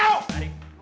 pergi gak kamu